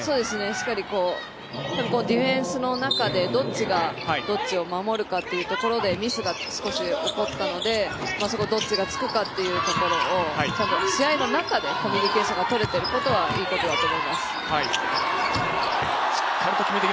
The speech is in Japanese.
しっかりディフェンスの中でどっちがどっちを守るかっていうところでミスが少し起こったので、そこをどっちがつくかっていうところをちゃんと、試合の中でコミュニケーションがとれていることはいいことだと思います。